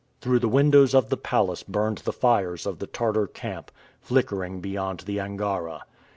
Through the windows of the palace burned the fires of the Tartar camp, flickering beyond the Angara.